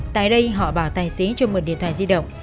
tại đây họ bảo tài xế cho mượn điện thoại di động